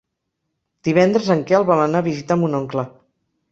Divendres en Quel vol anar a visitar mon oncle.